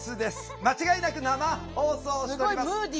間違いなく生放送しております。